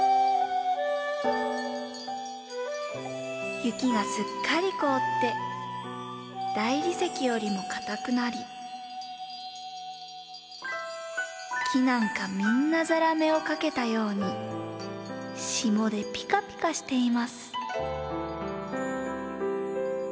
雪がすっかりこおってだいりせきよりもかたくなりきなんかみんなザラメをかけたようにしもでぴかぴかしています。